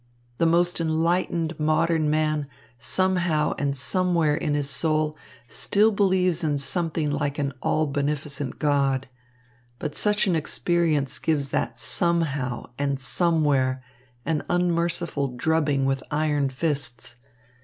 The most enlightened modern man somehow and somewhere in his soul still believes in something like an all beneficent God. But such an experience gives that 'somehow' and 'somewhere' an unmerciful drubbing with iron fists.